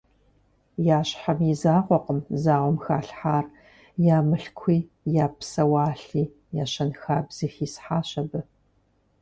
Я щхьэм и закъуэкъым зауэм халъхьар, я мылъкуи, я псэуалъи, я щэнхабзи хисхьащ абы.